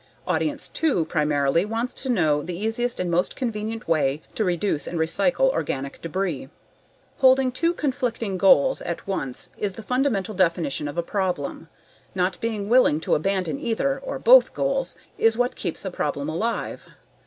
Audience two primarily wants to know the easiest and most convenient way to reduce and recycle organic debris. Holding two conflicting goals at once is the fundamental definition of a problem. Not being willing to abandon either (or both) goals is what keeps a problem alive.